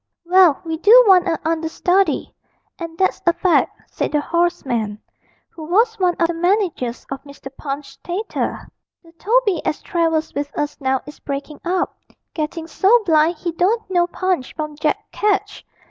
'Well, we do want a understudy, and that's a fact,' said the hoarse man, who was one of the managers of Mr. Punch's Theatre. 'The Toby as travels with us now is breakin' up, getting so blind he don't know Punch from Jack Ketch.